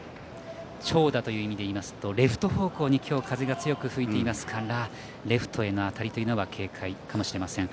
長打という意味で言うとレフト方向に今日、風が強く吹いていますからレフトへの当たりというのは警戒かもしれません。